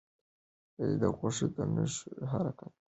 دغو نښو ته حرکات او سکون وايي.